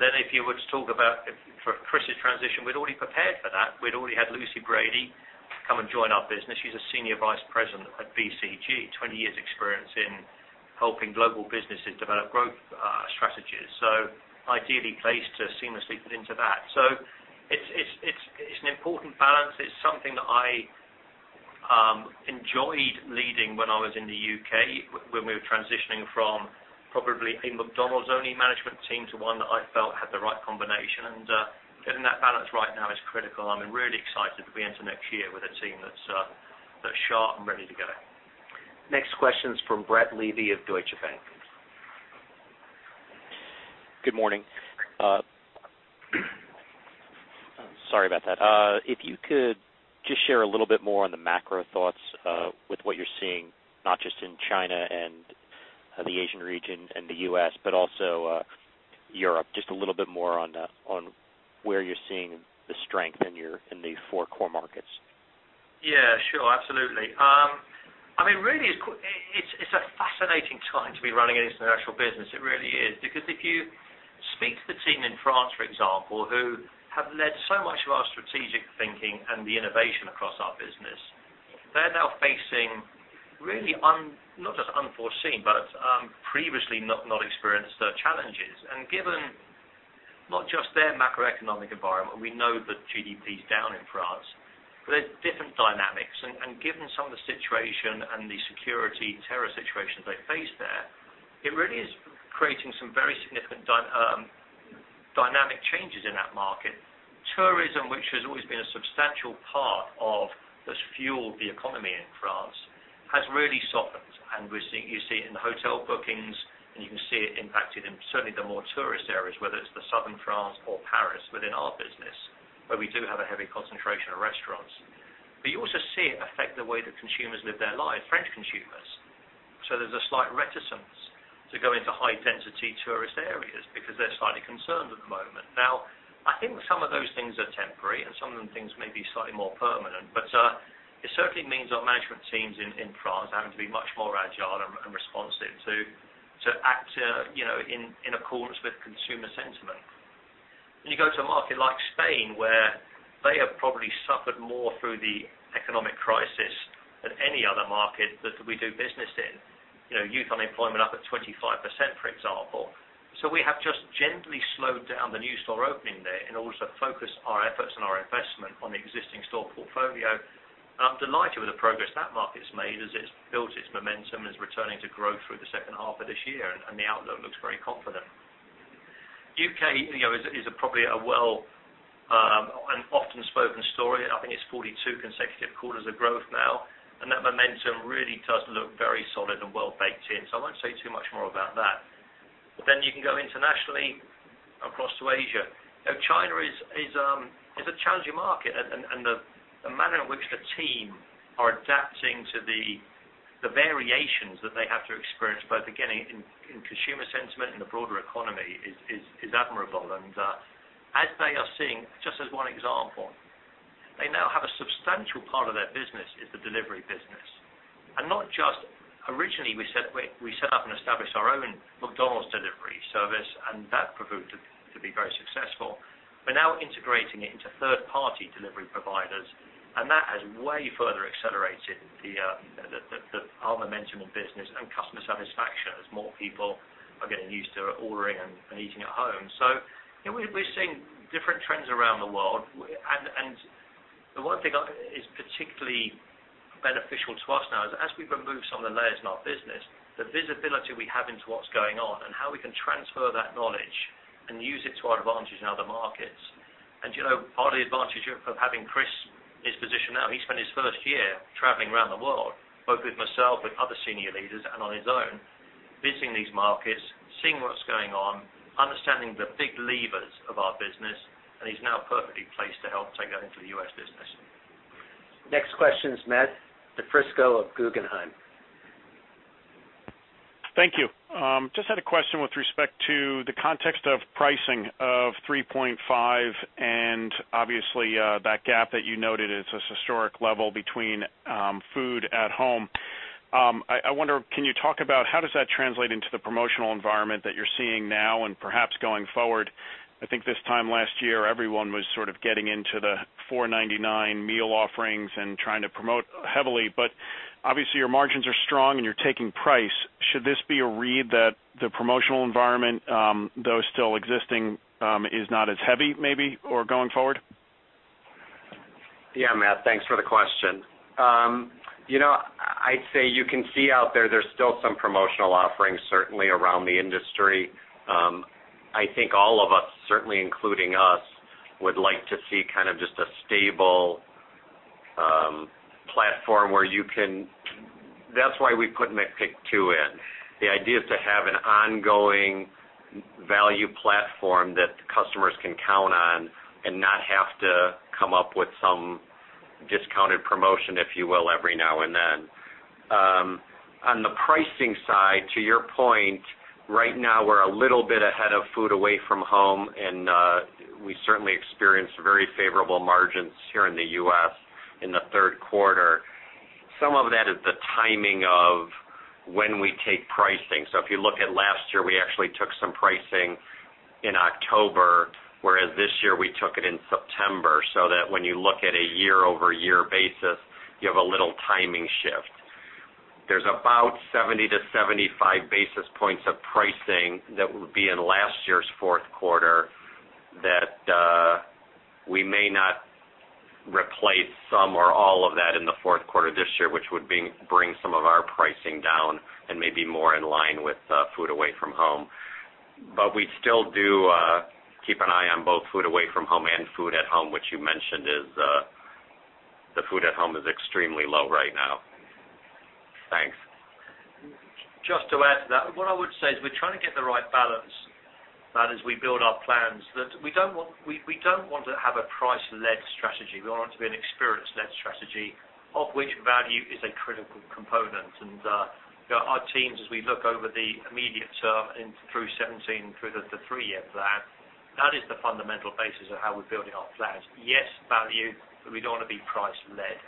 If you were to talk about Chris' transition, we'd already prepared for that. We'd already had Lucy Brady come and join our business. She's a Senior Vice President at BCG, 20 years experience in helping global businesses develop growth strategies. Ideally placed to seamlessly fit into that. It's an important balance. It's something that I enjoyed leading when I was in the U.K., when we were transitioning from probably a McDonald's-only management team to one that I felt had the right combination. Getting that balance right now is critical. I'm really excited to be into next year with a team that's sharp and ready to go. Next question's from Brett Levy of Deutsche Bank. Good morning. Sorry about that. If you could just share a little bit more on the macro thoughts, with what you're seeing, not just in China and the Asian region and the U.S., but also Europe. Just a little bit more on where you're seeing the strength in the four core markets. Yeah, sure. Absolutely. Really, it's a fascinating time to be running an international business, it really is. Because if you speak to the team in France, for example, who have led so much of our strategic thinking and the innovation across our business, they're now facing really, not just unforeseen, but previously not experienced challenges. Given not just their macroeconomic environment, we know that GDP is down in France, but there's different dynamics, and given some of the situation and the security terror situations they face there, it really is creating some very significant dynamic changes in that market. Tourism, which has always been a substantial part of, that's fueled the economy in France, has really softened. You see it in the hotel bookings, and you can see it impacted in certainly the more tourist areas, whether it's the southern France or Paris within our business, where we do have a heavy concentration of restaurants. You also see it affect the way that consumers live their life, French consumers. There's a slight reticence to go into high-density tourist areas because they're slightly concerned at the moment. Now, I think some of those things are temporary and some of the things may be slightly more permanent, but it certainly means our management teams in France are having to be much more agile and responsive to act in accordance with consumer sentiment. When you go to a market like Spain, where they have probably suffered more through the economic crisis than any other market that we do business in. Youth unemployment up at 25%, for example. We have just gently slowed down the new store opening there in order to focus our efforts and our investment on the existing store portfolio. I'm delighted with the progress that market's made as it's built its momentum and is returning to growth through the second half of this year, and the outlook looks very confident. U.K. is probably a well and often spoken story. I think it's 42 consecutive quarters of growth now, and that momentum really does look very solid and well-baked in. I won't say too much more about that. You can go internationally across to Asia. China is a challenging market, and the manner in which the team are adapting to the variations that they have to experience, both again, in consumer sentiment and the broader economy is admirable. As they are seeing, just as one example, they now have a substantial part of their business is the delivery business. Not just, originally we set up and established our own McDonald's delivery service, and that proved to be very successful. We're now integrating it into third-party delivery providers, and that has way further accelerated our momentum in business and customer satisfaction as more people are getting used to ordering and eating at home. We're seeing different trends around the world, and the one thing is particularly beneficial to us now is as we remove some of the layers in our business, the visibility we have into what's going on and how we can transfer that knowledge and use it to our advantage in other markets. Part of the advantage of having Chris. Now, he spent his first year traveling around the world, both with myself, with other senior leaders, and on his own, visiting these markets, seeing what's going on, understanding the big levers of our business, and he's now perfectly placed to help take that into the U.S. business. Next question is Matt DiFrisco of Guggenheim. Thank you. Just had a question with respect to the context of pricing of 3.5%, and obviously, that gap that you noted, it's a historic level between food at home. I wonder, can you talk about how does that translate into the promotional environment that you're seeing now and perhaps going forward? I think this time last year, everyone was sort of getting into the $4.99 meal offerings and trying to promote heavily. Obviously, your margins are strong and you're taking price. Should this be a read that the promotional environment, though still existing, is not as heavy maybe or going forward? Matt, thanks for the question. I'd say you can see out there's still some promotional offerings certainly around the industry. I think all of us, certainly including us, would like to see kind of just a stable platform. That's why we put McPick 2 in. The idea is to have an ongoing value platform that customers can count on and not have to come up with some discounted promotion, if you will, every now and then. On the pricing side, to your point, right now we're a little bit ahead of food away from home, and we certainly experienced very favorable margins here in the U.S. in the third quarter. Some of that is the timing of when we take pricing. If you look at last year, we actually took some pricing in October, whereas this year we took it in September, so that when you look at a year-over-year basis, you have a little timing shift. There's about 70 to 75 basis points of pricing that would be in last year's fourth quarter that we may not replace some or all of that in the fourth quarter this year, which would bring some of our pricing down and may be more in line with food away from home. We still do keep an eye on both food away from home and food at home, which you mentioned the food at home is extremely low right now. Thanks. Just to add to that, what I would say is we're trying to get the right balance, Matt, as we build our plans, that we don't want to have a price-led strategy. We want it to be an experience-led strategy of which value is a critical component. Our teams, as we look over the immediate term and through 2017, through the three-year plan, that is the fundamental basis of how we're building our plans. Yes, value, but we don't want to be price-led.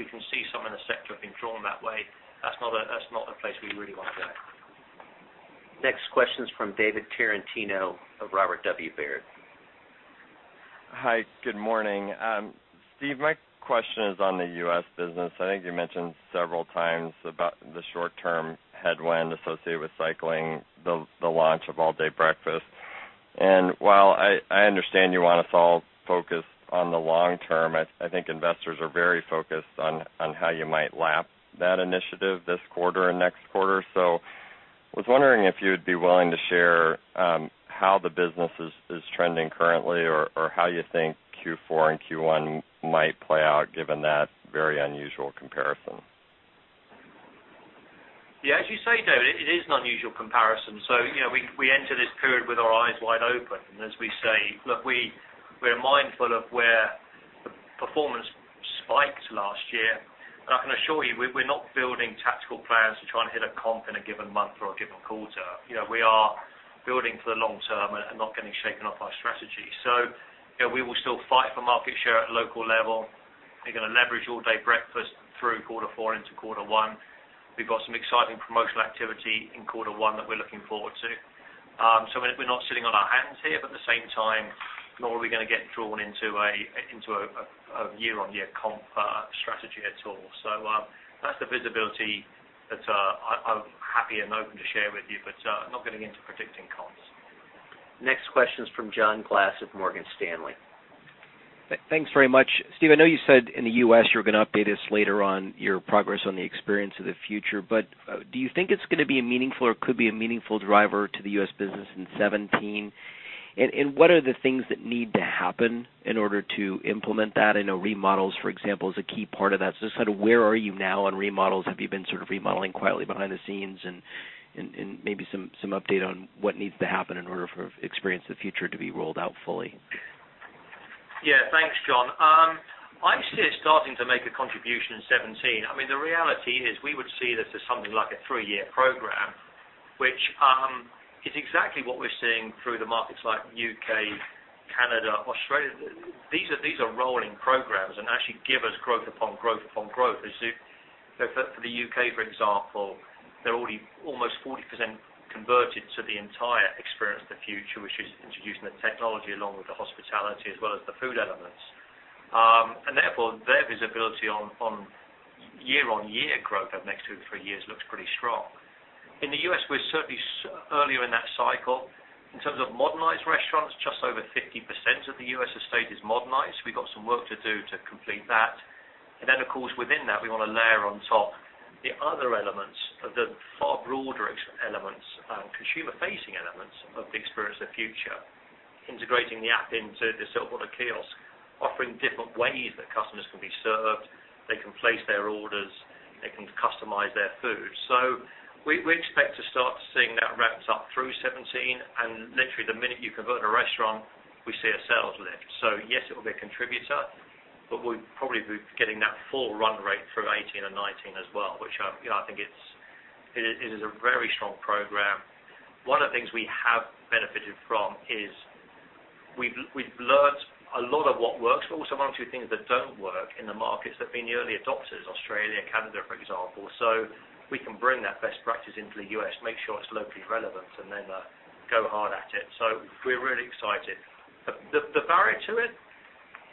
We can see some in the sector have been drawn that way. That's not a place we really want to go. Next question is from David Tarantino of Robert W. Baird. Hi, good morning. Steve, my question is on the U.S. business. I think you mentioned several times about the short-term headwind associated with cycling the launch of All Day Breakfast. While I understand you want us all focused on the long-term, I think investors are very focused on how you might lap that initiative this quarter and next quarter. I was wondering if you'd be willing to share how the business is trending currently or how you think Q4 and Q1 might play out, given that very unusual comparison. As you say, David, it is an unusual comparison. We enter this period with our eyes wide open, and as we say, look, we're mindful of where the performance spiked last year. I can assure you, we're not building tactical plans to try and hit a comp in a given month or a given quarter. We are building for the long term and not getting shaken off our strategy. We will still fight for market share at local level. We're going to leverage All Day Breakfast through quarter four into quarter one. We've got some exciting promotional activity in quarter one that we're looking forward to. We're not sitting on our hands here, but at the same time, nor are we going to get drawn into a year-over-year comp strategy at all. That's the visibility that I'm happy and open to share with you, but I'm not getting into predicting comps. Next question is from John Glass of Morgan Stanley. Thanks very much. Steve, I know you said in the U.S. you're going to update us later on your progress on the Experience of the Future, but do you think it's going to be a meaningful or could be a meaningful driver to the U.S. business in 2017? What are the things that need to happen in order to implement that? I know remodels, for example, is a key part of that. Just kind of where are you now on remodels? Have you been sort of remodeling quietly behind the scenes, and maybe some update on what needs to happen in order for Experience of the Future to be rolled out fully. Yeah. Thanks, John. I see it starting to make a contribution in 2017. I mean, the reality is we would see this as something like a three-year program, which is exactly what we're seeing through the markets like U.K., Canada, Australia. These are rolling programs and actually give us growth upon growth. For the U.K., for example, they're already almost 40% converted to the entire Experience of the Future, which is introducing the technology along with the hospitality as well as the food elements. Therefore, their visibility on year-on-year growth over the next two to three years looks pretty strong. In the U.S., we're certainly earlier in that cycle. In terms of modernized restaurants, just over 50% of the U.S. estate is modernized. We've got some work to do to complete that. Of course, within that, we want to layer on top the other elements of the far broader elements, consumer-facing elements of the Experience of the Future. Integrating the app into the self-order kiosk, offering different ways that customers can be served. They can place their orders, they can customize their food. We expect to start seeing that ramped up through 2017, and literally the minute you convert a restaurant, we see a sales lift. Yes, it will be a contributor, but we'll probably be getting that full run rate through 2018 and 2019 as well, which I think it is a very strong program. One of the things we have benefited from is we've learned a lot of what works, but also one or two things that don't work in the markets that have been the early adopters, Australia and Canada, for example. We can bring that best practice into the U.S., make sure it's locally relevant, then go hard at it. We're really excited. The barrier to it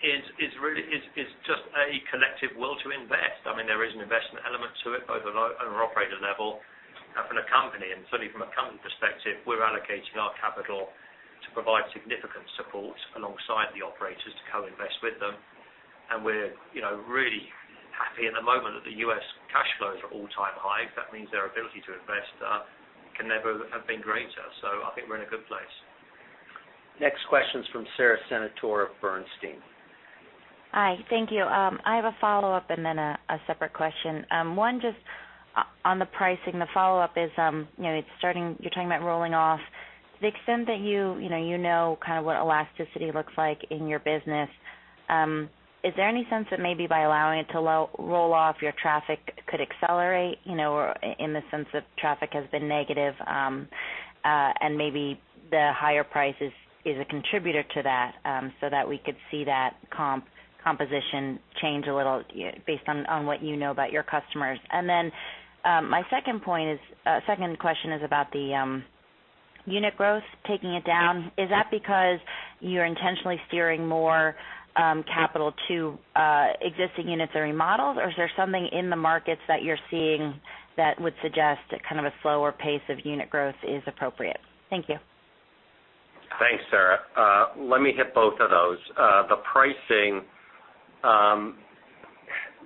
is just a collective will to invest. There is an investment element to it, both at an operator level and from the company. Certainly, from a company perspective, we're allocating our capital to provide significant support alongside the operators to co-invest with them. We're really happy at the moment that the U.S. cash flows are all-time high. That means their ability to invest can never have been greater. I think we're in a good place. Next question's from Sara Senatore of Bernstein. Hi, thank you. I have a follow-up and then a separate question. One, just on the pricing. The follow-up is, you're talking about rolling off. To the extent that you know kind of what elasticity looks like in your business, is there any sense that maybe by allowing it to roll off, your traffic could accelerate, in the sense that traffic has been negative, and maybe the higher price is a contributor to that, so that we could see that composition change a little based on what you know about your customers? My second question is about the unit growth, taking it down. Is that because you're intentionally steering more capital to existing units or remodels, or is there something in the markets that you're seeing that would suggest that kind of a slower pace of unit growth is appropriate? Thank you. Thanks, Sara. Let me hit both of those. The pricing,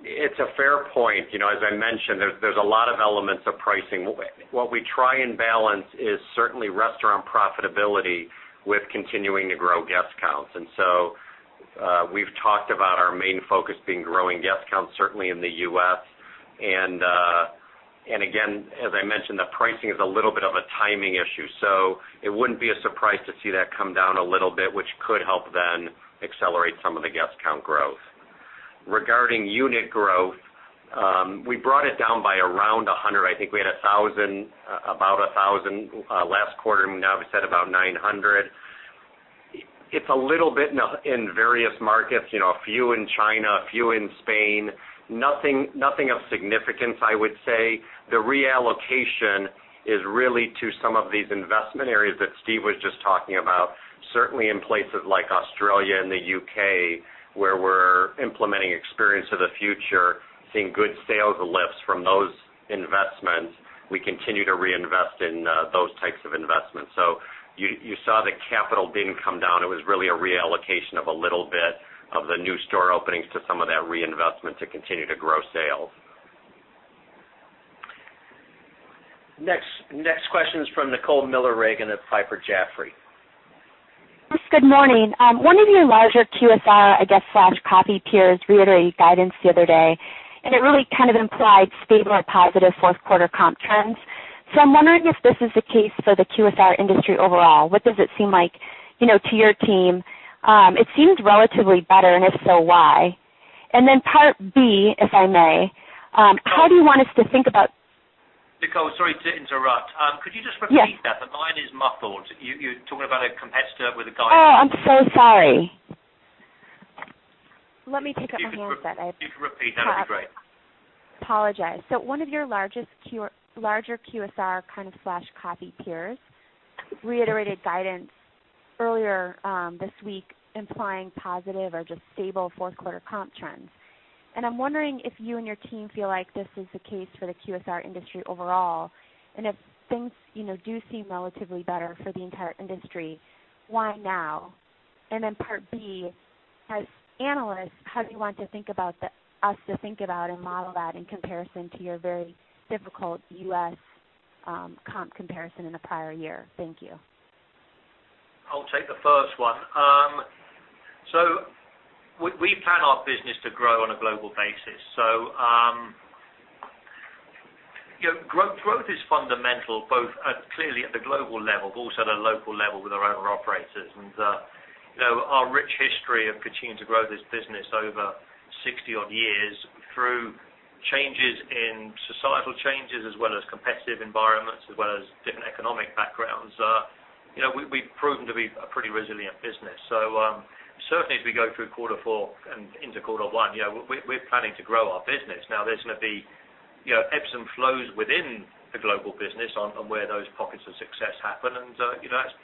it's a fair point. As I mentioned, there's a lot of elements of pricing. What we try and balance is certainly restaurant profitability with continuing to grow guest counts. We've talked about our main focus being growing guest counts, certainly in the U.S. Again, as I mentioned, the pricing is a little bit of a timing issue. It wouldn't be a surprise to see that come down a little bit, which could help then accelerate some of the guest count growth. Regarding unit growth, we brought it down by around 100. I think we had about 1,000 last quarter, and now we've said about 900. It's a little bit in various markets, a few in China, a few in Spain. Nothing of significance, I would say. The reallocation is really to some of these investment areas that Steve was just talking about. Certainly in places like Australia and the U.K., where we're implementing Experience of the Future, seeing good sales lifts from those investments. We continue to reinvest in those types of investments. You saw the capital didn't come down. It was really a reallocation of a little bit of the new store openings to some of that reinvestment to continue to grow sales. Next question's from Nicole Miller Regan of Piper Jaffray. Good morning. One of your larger QSR, I guess, slash coffee peers reiterated guidance the other day, and it really kind of implied stable or positive fourth quarter comp trends. I'm wondering if this is the case for the QSR industry overall. What does it seem like to your team? It seems relatively better, and if so, why? Part B, if I may, how do you want us to think about- Nicole, sorry to interrupt. Could you just repeat that? Yes. The line is muffled. You're talking about a competitor with a guide. Oh, I'm so sorry. Let me take off my headset. If you could repeat, that would be great. Apologize. One of your larger QSR kind of slash coffee peers reiterated guidance earlier this week implying positive or just stable fourth quarter comp trends. I'm wondering if you and your team feel like this is the case for the QSR industry overall, and if things do seem relatively better for the entire industry, why now? Part B, as analysts, how do you want us to think about and model that in comparison to your very difficult U.S. comp comparison in the prior year? Thank you. I'll take the first one. We plan our business to grow on a global basis. Growth is fundamental, both clearly at the global level, but also at a local level with our owner-operators. Our rich history of continuing to grow this business over 60-odd years through societal changes as well as competitive environments as well as different economic backgrounds, we've proven to be a pretty resilient business. Certainly as we go through quarter four and into quarter one, we're planning to grow our business. Now, there's going to be ebbs and flows within the global business on where those pockets of success happen, and that's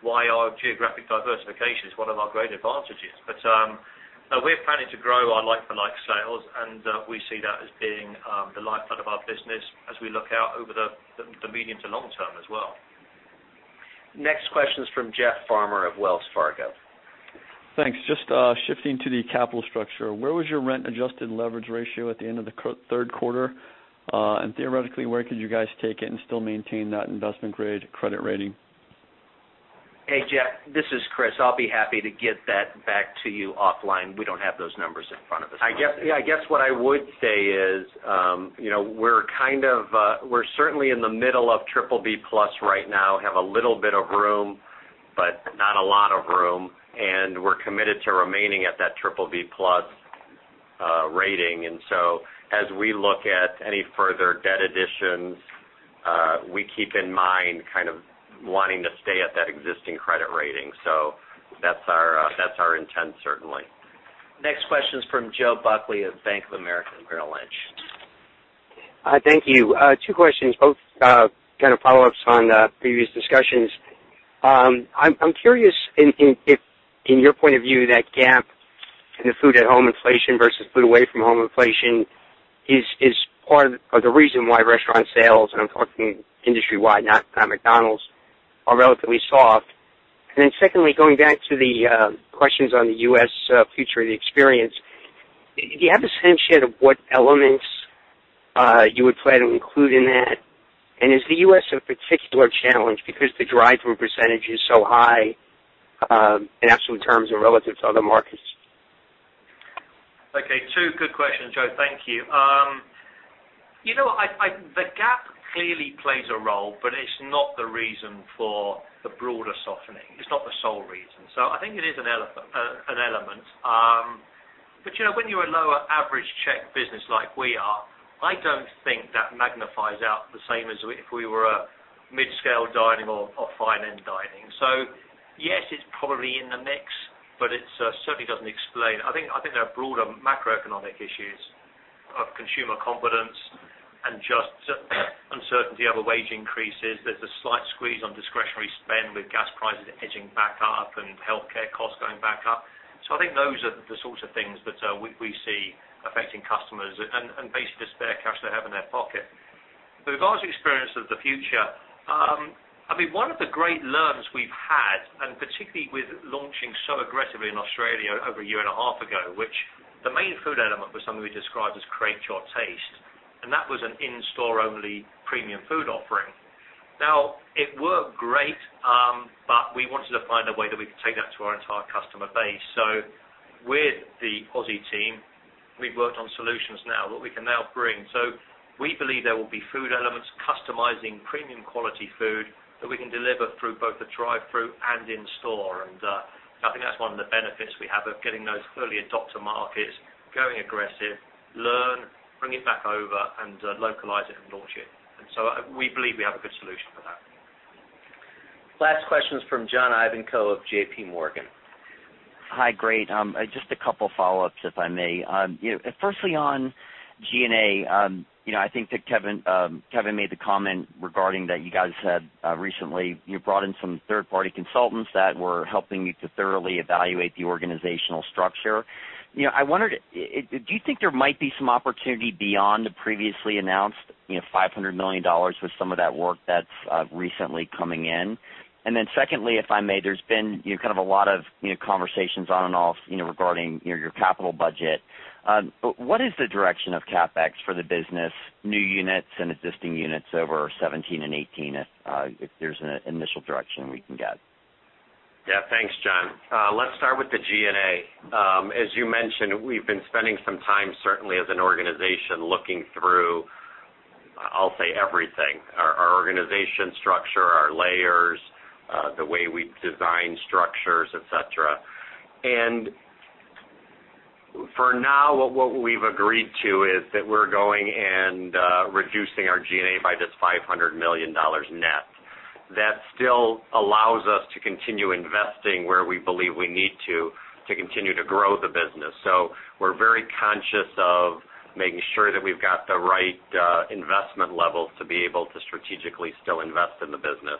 why our geographic diversification is one of our great advantages. We're planning to grow our like-for-like sales, and we see that as being the lifeblood of our business as we look out over the medium to long term as well. Next question's from Jeff Farmer of Wells Fargo. Thanks. Just shifting to the capital structure, where was your rent-adjusted leverage ratio at the end of the third quarter? Theoretically, where could you guys take it and still maintain that investment-grade credit rating? Hey, Jeff, this is Chris. I'll be happy to get that back to you offline. We don't have those numbers in front of us. I guess what I would say is we're certainly in the middle of BBB+ right now, have a little bit of room, but not a lot of room, and we're committed to remaining at that BBB+ rating. As we look at any further debt additions, we keep in mind wanting to stay at that existing credit rating. That's our intent, certainly. Next question's from Joe Buckley of Bank of America and Merrill Lynch. Thank you. Two questions, both follow-ups on previous discussions. I'm curious if, in your point of view, that gap in the food at home inflation versus food away from home inflation is part of the reason why restaurant sales, and I'm talking industry-wide, not McDonald's, are relatively soft. Secondly, going back to the questions on the U.S. Experience of the Future, do you have a sense yet of what elements you would plan to include in that? Is the U.S. a particular challenge because the drive-thru percentage is so high in absolute terms and relative to other markets? Okay. Two good questions, Joe. Thank you. The GAAP clearly plays a role, but it's not the reason for the broader softening. It's not the sole reason. I think it is an element. When you're a lower average check business like we are, I don't think that magnifies out the same as if we were a mid-scale dining or fine end dining. Yes, it's probably in the mix, but it certainly doesn't explain. I think there are broader macroeconomic issues of consumer confidence and just uncertainty over wage increases. There's a slight squeeze on discretionary spend with gas prices edging back up and healthcare costs going back up. I think those are the sorts of things that we see affecting customers and basically just spare cash they have in their pocket. With regards to Experience of the Future, one of the great learns we've had, particularly with launching so aggressively in Australia over a year and a half ago, which the main food element was something we described as Create Your Taste, and that was an in-store only premium food offering. It worked great, we wanted to find a way that we could take that to our entire customer base. With the Aussie team, we've worked on solutions now that we can now bring. We believe there will be food elements customizing premium quality food that we can deliver through both the drive-thru and in store. I think that's one of the benefits we have of getting those early adopter markets, going aggressive, learn, bring it back over, and localize it and launch it. We believe we have a good solution for that. Last question is from John Ivankoe of J.P. Morgan. Hi. Great. Just a couple follow-ups, if I may. Firstly, on G&A, I think that Kevin made the comment regarding that you guys had recently brought in some third-party consultants that were helping you to thoroughly evaluate the organizational structure. I wondered, do you think there might be some opportunity beyond the previously announced $500 million with some of that work that's recently coming in? Secondly, if I may, there's been kind of a lot of conversations on and off regarding your capital budget. What is the direction of CapEx for the business, new units and existing units over 2017 and 2018, if there's an initial direction we can get? Yeah. Thanks, John. Let's start with the G&A. As you mentioned, we've been spending some time, certainly as an organization, looking through, I'll say everything, our organization structure, our layers, the way we design structures, et cetera. For now, what we've agreed to is that we're going and reducing our G&A by this $500 million net. That still allows us to continue investing where we believe we need to continue to grow the business. We're very conscious of making sure that we've got the right investment levels to be able to strategically still invest in the business.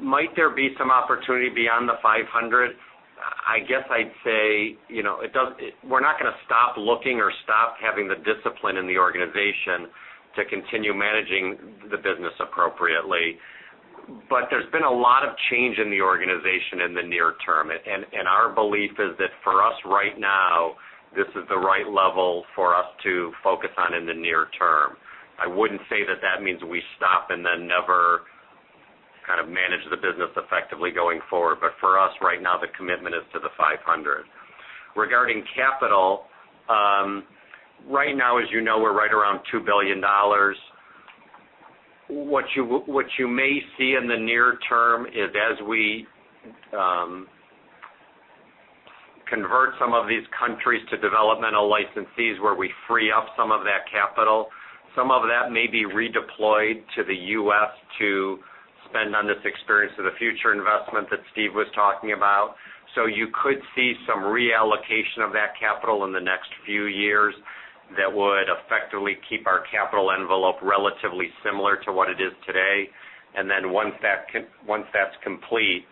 Might there be some opportunity beyond the 500? I guess I'd say we're not going to stop looking or stop having the discipline in the organization to continue managing the business appropriately. There's been a lot of change in the organization in the near term, and our belief is that for us right now, this is the right level for us to focus on in the near term. I wouldn't say that means we stop and then never manage the business effectively going forward. For us right now, the commitment is to the 500. Regarding capital, right now, as you know, we're right around $2 billion. What you may see in the near term is as we convert some of these countries to developmental licensees where we free up some of that capital, some of that may be redeployed to the U.S. to spend on this Experience of the Future investment that Steve was talking about. You could see some reallocation of that capital in the next few years that would effectively keep our capital envelope relatively similar to what it is today. Then once that's complete,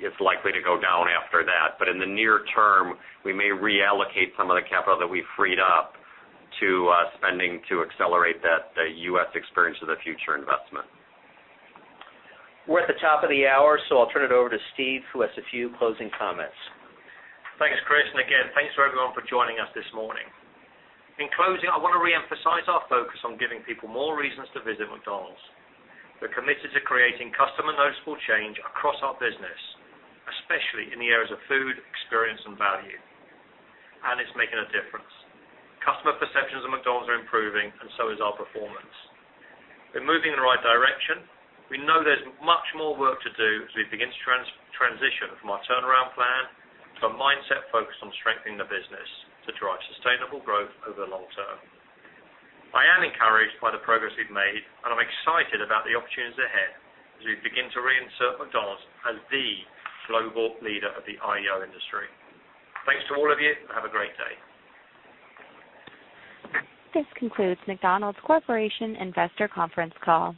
it's likely to go down after that. In the near term, we may reallocate some of the capital that we freed up to spending to accelerate that U.S. Experience of the Future investment. We're at the top of the hour, I'll turn it over to Steve, who has a few closing comments. Thanks, Chris. Again, thanks for everyone for joining us this morning. In closing, I want to reemphasize our focus on giving people more reasons to visit McDonald's. We're committed to creating customer noticeable change across our business, especially in the areas of food, experience, and value. It's making a difference. Customer perceptions of McDonald's are improving, and so is our performance. We're moving in the right direction. We know there's much more work to do as we begin to transition from our turnaround plan to a mindset focused on strengthening the business to drive sustainable growth over the long term. I am encouraged by the progress we've made, and I'm excited about the opportunities ahead as we begin to reinsert McDonald's as the global leader of the IEO industry. Thanks to all of you, and have a great day. This concludes McDonald's Corporation Investor Conference Call.